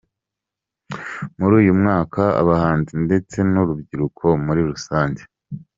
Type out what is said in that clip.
Muri uyu mwaka abahanzi ndetse nurubyiruko muri rusange.